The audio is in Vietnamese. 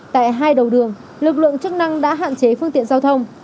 tại hai đầu đường lực lượng chức năng đã hạn chế phương tiện giao thông